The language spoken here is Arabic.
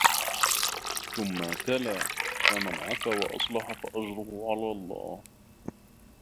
ثُمَّ تَلَا فَمَنْ عَفَا وَأَصْلَحَ فَأَجْرُهُ عَلَى اللَّهِ